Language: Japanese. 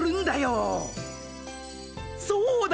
そうだ！